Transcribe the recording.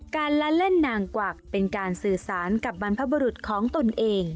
ละเล่นนางกวักเป็นการสื่อสารกับบรรพบรุษของตนเอง